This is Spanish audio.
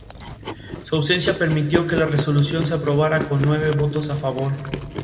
Su ausencia permitió que la resolución se aprobara con nueve votos a favor.